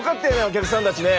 お客さんたちね。